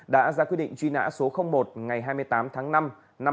đã ra quyết định truy nã số một ngày hai mươi tám tháng năm năm hai nghìn một mươi ba